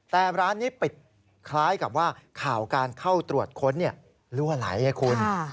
แต่ร้านนี้ปิดคล้ายกับว่าข่าวการเข้าตรวจค้นลั่วไหลให้คุณ